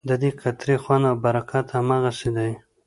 ددې قطرې خوند او برکت هماغسې دی.